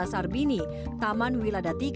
amin menyebut jokowi dodo adalah sosok militer yang baik